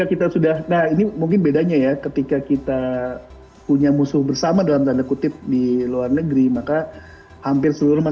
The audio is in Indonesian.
lagi dalam tanda kutip lagi